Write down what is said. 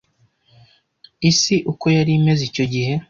Isi uko yari imeze icyo gihe!